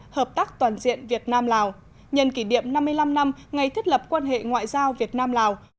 hợp tác toàn diện việt nam lào nhân kỷ niệm năm mươi năm năm ngày thiết lập quan hệ ngoại giao việt nam lào